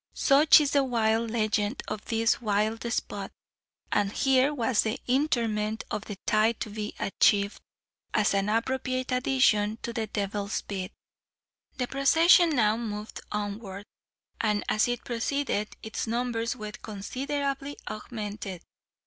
Such is the wild legend of this wild spot; and here was the interment of the tithe to be achieved, as an appropriate addition to the "Devil's Bit." The procession now moved onward, and, as it proceeded, its numbers were considerably augmented.